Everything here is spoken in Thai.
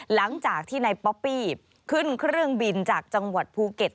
หลังจากที่นายป๊อปปี้ขึ้นเครื่องบินจากจังหวัดภูเก็ต